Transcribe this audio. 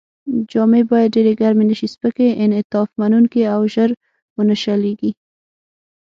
جامې باید ډېرې ګرمې نه شي، سپکې، انعطاف منوونکې او ژر و نه شلېږي.